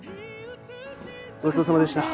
ごちそうさまでした。